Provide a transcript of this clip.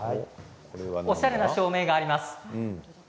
おしゃれな照明があります。